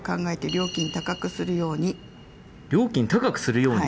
「料金高くするように」。